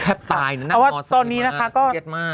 แทบตายนักงอสมิงมากเพราะเย็นมาก